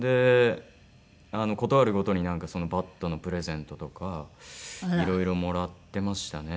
事あるごとにバットのプレゼントとかいろいろもらってましたね。